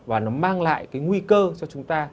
và nó mang lại nguy cơ cho chúng ta